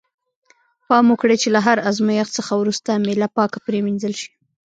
پام وکړئ چې له هر آزمایښت څخه وروسته میله پاکه پرېمینځل شي.